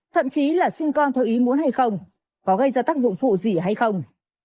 thậm chí là sinh con theo ý muốn hay không có gây ra tác dụng phụ gì hay không